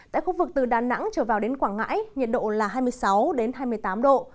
tại khu vực từ đà nẵng trở vào đến quảng ngãi nhiệt độ là hai mươi sáu hai mươi tám độ